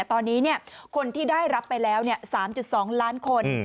ตอนนี้คนที่ได้รับไปแล้ว๓๒ล้านคน